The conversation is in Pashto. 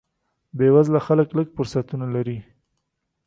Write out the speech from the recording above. بې وزله خلک لږ فرصتونه لري.